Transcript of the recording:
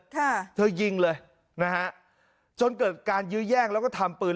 ค่ะเธอยิงเลยนะฮะจนเกิดการยื้อแย่งแล้วก็ทำปืน